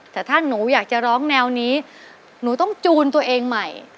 แต่ถ้าหนูอยากจะร้องแนวนี้หนูต้องจูนตัวเองใหม่